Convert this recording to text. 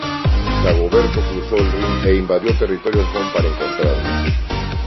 Dagoberto cruzó el Rin e invadió territorio sajón para encontrarlo.